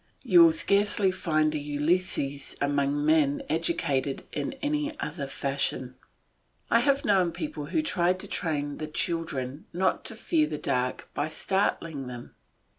You will scarcely find a Ulysses among men educated in any other fashion. I have known people who tried to train the children not to fear the dark by startling them.